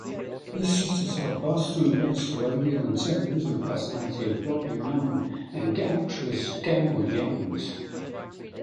His sisters are Boston-based radio and television personality Robin Young and actress Gail Youngs.